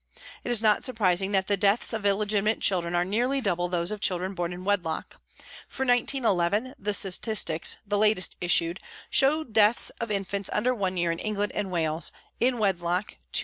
It is not surprising that the deaths of illegitimate children are nearly double those of children born in wedlock ; for 1911, the statistics, the latest issued, show deaths of infants under one year in England and Wales, in wedlock 249.